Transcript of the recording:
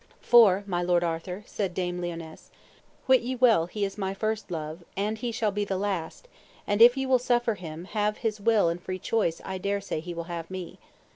For, my lord Arthur, said Dame Lionesse, wit ye well he is my first love, and he shall be the last; and if ye will suffer him to have his will and free choice I dare say he will have me.